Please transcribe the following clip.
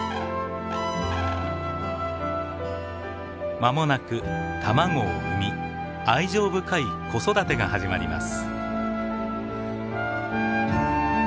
まもなく卵を産み愛情深い子育てが始まります。